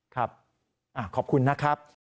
ครับขอบคุณนะครับ